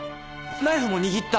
ナイフも握った。